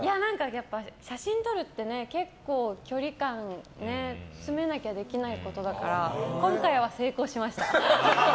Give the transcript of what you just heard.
写真撮るって結構距離感を詰めなきゃできないことだから今回は成功しました。